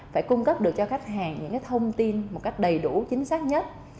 phải cung cấp được cho khách hàng những thông tin đầy đủ chính xác nhất